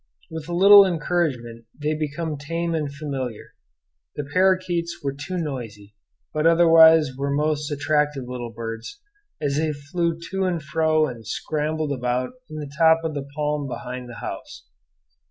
With a little encouragement they become tame and familiar. The parakeets were too noisy, but otherwise were most attractive little birds, as they flew to and fro and scrambled about in the top of the palm behind the house.